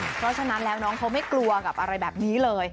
เพราะฉะนั้นแล้วน้องเขาไม่กลัวกับอะไรแบบนี้เลย